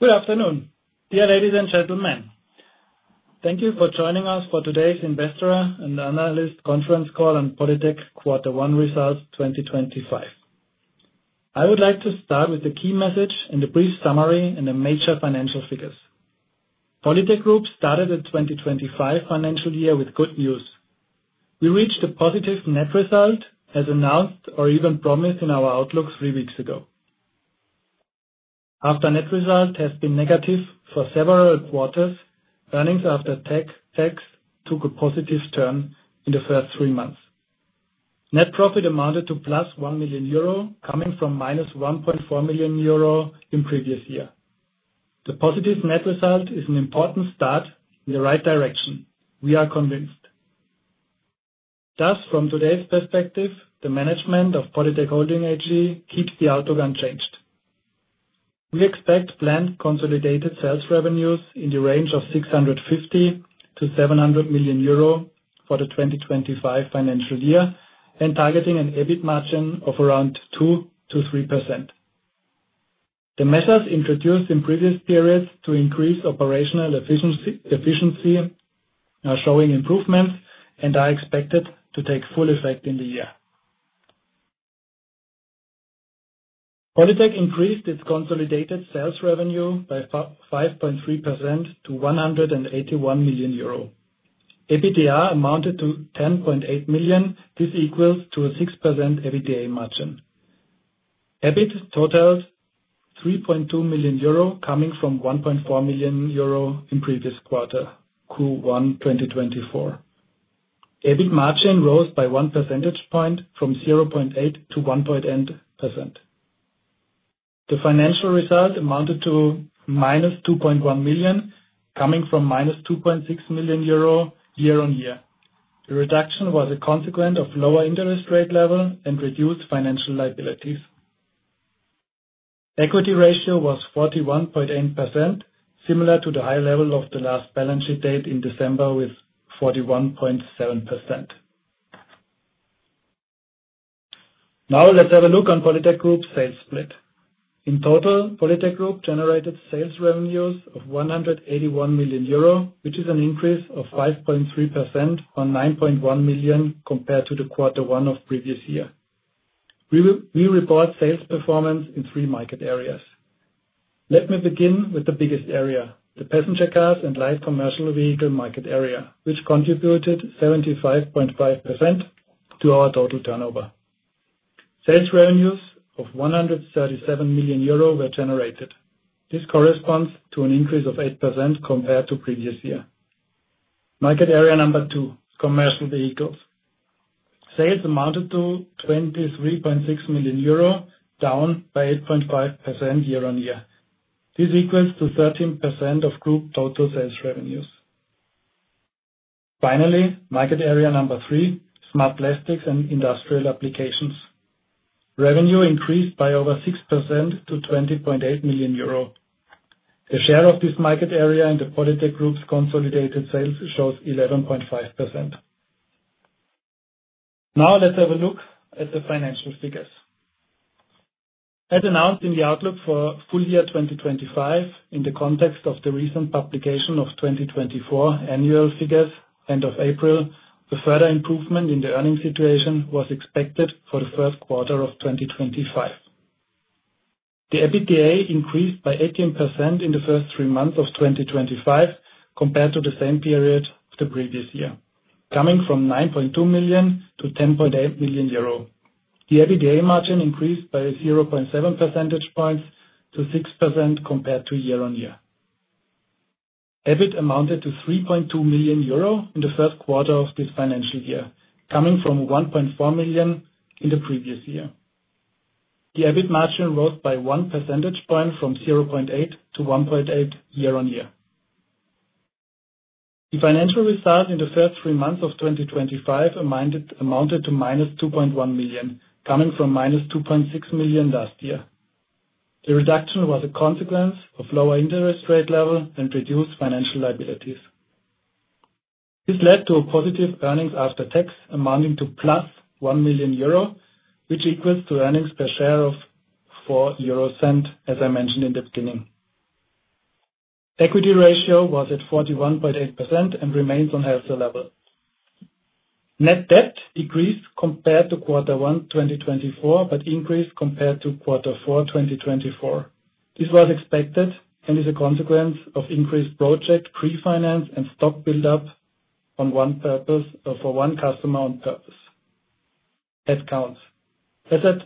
Good afternoon, dear ladies and gentlemen. Thank you for joining us for today's Investor and Analyst Conference call on POLYTEC quarter one results 2025. I would like to start with the key message and a brief summary and the major financial figures. POLYTEC GROUP started the 2025 financial year with good news. We reached a positive net result as announced or even promised in our outlook three weeks ago. After net result has been negative for several quarters, earnings after tax took a positive turn in the first three months. Net profit amounted to +1 million euro, coming from -1.4 million euro in the previous year. The positive net result is an important start in the right direction, we are convinced. Thus, from today's perspective, the management of POLYTEC Holding AG keeps the outlook unchanged. We expect planned consolidated sales revenues in the range of 650 million-700 million euro for the 2025 financial year and targeting an EBIT margin of around 2%-3%. The measures introduced in previous periods to increase operational efficiency are showing improvements and are expected to take full effect in the year. POLYTEC increased its consolidated sales revenue by 5.3% to 181 million euro. EBITDA amounted to 10.8 million. This equals to a 6% EBITDA margin. EBIT totaled 3.2 million euro, coming from 1.4 million euro in the previous quarter, Q1 2024. EBIT margin rose by one percentage point from 0.8%-1.8%. The financial result amounted to -2.1 million, coming from -2.6 million euro year-on-year. The reduction was a consequence of a lower interest rate level and reduced financial liabilities. Equity ratio was 41.8%, similar to the high level of the last balance sheet date in December with 41.7%. Now let's have a look on POLYTEC GROUP's sales split. In total, POLYTEC GROUP generated sales revenues of 181 million euro, which is an increase of 5.3% or 9.1 million compared to the quarter one of the previous year. We report sales performance in three market areas. Let me begin with the biggest area, the passenger cars and light commercial vehicle market area, which contributed 75.5% to our total turnover. Sales revenues of 137 million euro were generated. This corresponds to an increase of 8% compared to the previous year. Market area number two, commercial vehicles. Sales amounted to 23.6 million euro, down by 8.5% year-on-year. This equals to 13% of group total sales revenues. Finally, market area number three, smart plastics and industrial applications. Revenue increased by over 6% to 20.8 million euro. The share of this market area in the POLYTEC GROUP's consolidated sales shows 11.5%. Now let's have a look at the financial figures. As announced in the Outlook for full year 2025, in the context of the recent publication of 2024 annual figures end of April, a further improvement in the earnings situation was expected for the first quarter of 2025. The EBITDA increased by 18% in the first three months of 2025 compared to the same period of the previous year, coming from 9.2 million-10.8 million euro. The EBITDA margin increased by 0.7 percentage points to 6% compared to year-on-year. EBIT amounted to 3.2 million euro in the first quarter of this financial year, coming from 1.4 million in the previous year. The EBIT margin rose by one percentage point from 0.8-1.8 year-on-year. The financial result in the first three months of 2025 amounted to -2.1 million, coming from -2.6 million last year. The reduction was a consequence of a lower interest rate level and reduced financial liabilities. This led to positive earnings after tax amounting to +1 million euro, which equals to earnings per share of 0.04, as I mentioned in the beginning. Equity ratio was at 41.8% and remains on high level. Net debt decreased compared to quarter one 2024 but increased compared to quarter four 2024. This was expected and is a consequence of increased project pre-finance and stock build-up for one customer on purpose. At counts, as of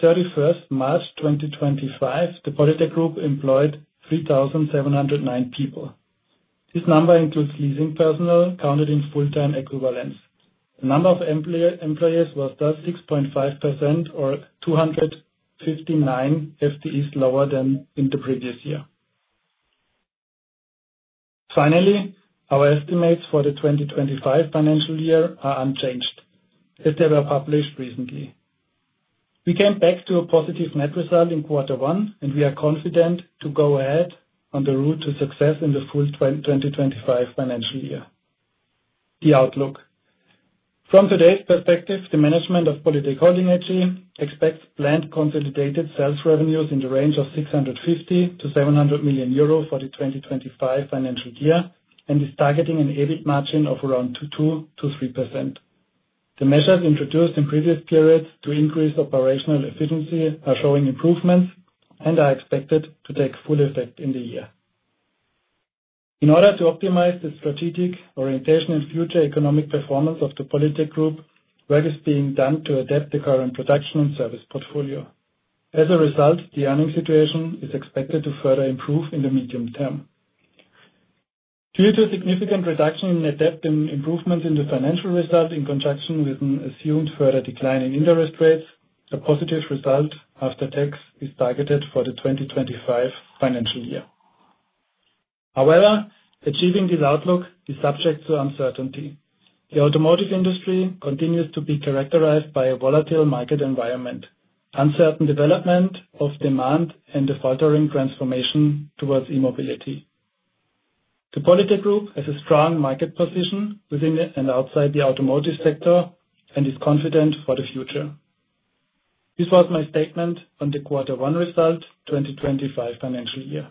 31st March 2025, the POLYTEC GROUP employed 3,709 people. This number includes leasing personnel counted in full-time equivalence. The number of employees was thus 6.5% or 259 FTEs lower than in the previous year. Finally, our estimates for the 2025 financial year are unchanged as they were published recently. We came back to a positive net result in quarter One, and we are confident to go ahead on the route to success in the full 2025 financial year. The outlook: From today's perspective, the management of POLYTEC Holding AG expects planned consolidated sales revenues in the range of 650 million-700 million euro for the 2025 financial year and is targeting an EBIT margin of around 2%-3%. The measures introduced in previous periods to increase operational efficiency are showing improvements and are expected to take full effect in the year. In order to optimize the strategic orientation and future economic performance of the POLYTEC GROUP, work is being done to adapt the current production and service portfolio. As a result, the earnings situation is expected to further improve in the medium term. Due to a significant reduction in net debt and improvements in the financial result in conjunction with an assumed further decline in interest rates, a positive result after tax is targeted for the 2025 financial year. However, achieving this outlook is subject to uncertainty. The automotive industry continues to be characterized by a volatile market environment, uncertain development of demand, and a faltering transformation towards immobility. The POLYTEC GROUP has a strong market position within and outside the automotive sector and is confident for the future. This was my statement on the quarter one result 2025 financial year.